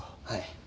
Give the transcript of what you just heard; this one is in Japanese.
はい。